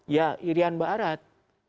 ya irian barat